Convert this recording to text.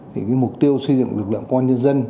thì cái mục tiêu xây dựng lực lượng công an nhân dân